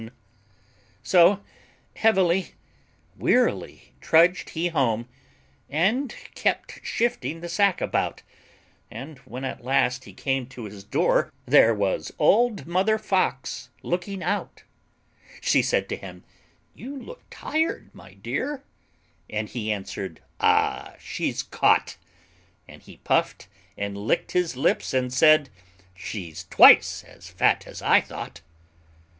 So heavily, wearily trudged he home, And kept shifting the sack about; And when at last he came to his door, There was old Mother Fox looking out. She said to him, "You look tired, my dear," And he answered, "Ah, she's caught!" And he puffed and licked his lips and said "She's twice as fat as I thought!"